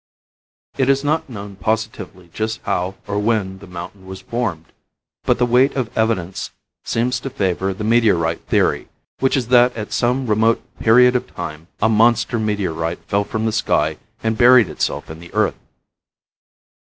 It is not known positively just how or when the mountain was formed, but the weight of evidence seems to favor the meteorite theory, which is that at some remote period of time a monster meteorite fell from the sky and buried itself in the earth.